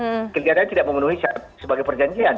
tapi kelihatannya tidak memenuhi sebagai perjanjian